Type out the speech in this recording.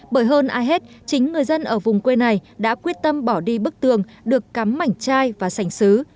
bởi hơn ai hết chính người dân ở vùng quê này đã quyết tâm bỏ đi bức tường được cắm mảnh chai và sành xứ